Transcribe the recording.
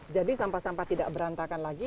jadi sampah sampah tidak berantakan lagi